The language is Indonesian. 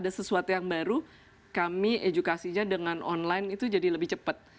tapi sebenarnya dengan online itu jadi lebih cepat